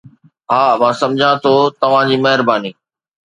ها، مان سمجهان ٿو، توهان جي مهرباني